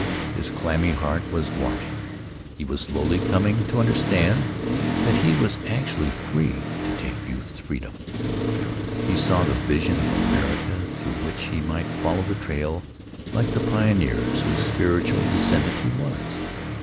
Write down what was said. His clammy heart was warming. He was slowly coming to understand that he was actually free to take youth's freedom. He saw the vision of the America through which he might follow the trail like the pioneers whose spiritual descendant he was.